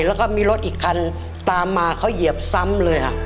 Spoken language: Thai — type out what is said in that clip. แล้วก็มีรถอีกคันตามมาเขาเหยียบซ้ำเลยค่ะ